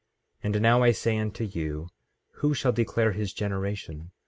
15:10 And now I say unto you, who shall declare his generation?